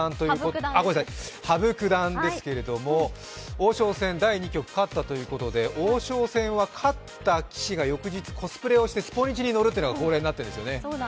羽生九段ですけれども王将戦第２局、勝ったということで王将戦は勝った棋士が翌日コスプレをして「スポニチ」に載るというのが恒例になっているんですよね。